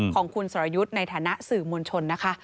ของคุณสรยุทธ์ในฐานะสื่อมวลชนนะคะ